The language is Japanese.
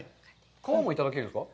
皮もいただけるんですか？